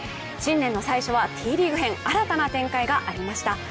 新年の最初はＴリーグ編新たな展開がありました。